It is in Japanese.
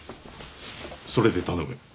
それで頼む。